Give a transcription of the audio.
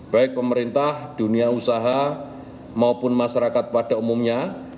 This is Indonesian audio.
baik pemerintah dunia usaha maupun masyarakat pada umumnya